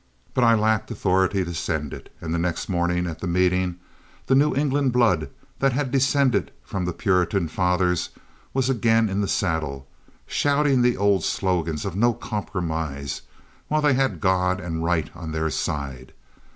But I lacked authority to send it, and the next morning at the meeting, the New England blood that had descended from the Puritan Fathers was again in the saddle, shouting the old slogans of no compromise while they had God and right on their side.